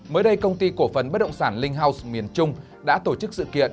mới đây công ty cổ phấn bất động sản linh house miền trung đã tổ chức sự kiện